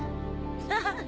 アハハッ。